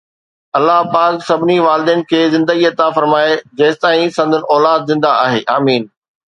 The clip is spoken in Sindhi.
الله پاڪ سڀني والدين کي زندگي عطا فرمائي جيستائين سندن اولاد زندهه آهي، آمين